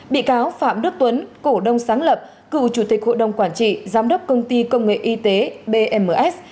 bị cáo phạm đức tuấn cổ đông sáng lập cựu chủ tịch hội đồng quản trị giám đốc công ty công nghệ y tế bms